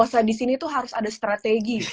betul kayak puasa di sini tuh harus ada strategi